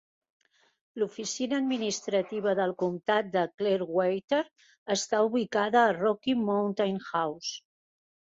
L'oficina administrativa del comtat de Clearwater està ubicada a Rocky Mountain House.